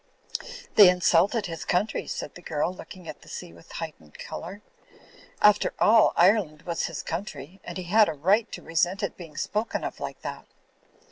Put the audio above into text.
"They insulted his country," said the girl, looking at the sea with a heightened colour. "After all, Ire land was his country; and he had a right to resent it being spoken of like that."